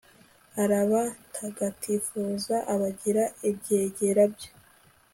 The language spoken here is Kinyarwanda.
arabatagatifuza, abagira ibyegera bye